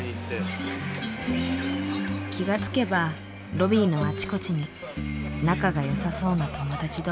気が付けばロビーのあちこちに仲がよさそうな友達同士。